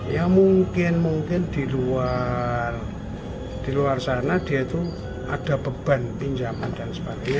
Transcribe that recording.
ya mungkin mungkin di luar sana dia itu ada beban pinjaman dan sebagainya